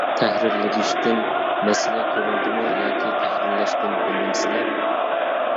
تەھرىرلىگۈچتىن مەسىلە كۆرۈلدىمۇ ياكى تەھرىرلەشنى بىلمەمسىلە.